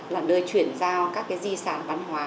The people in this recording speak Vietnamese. là nơi chuyển giao các di sản văn hóa